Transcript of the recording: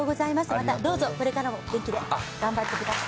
またどうぞこれからも元気で頑張ってください。